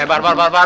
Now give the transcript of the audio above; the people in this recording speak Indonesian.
eh bar bar bar bar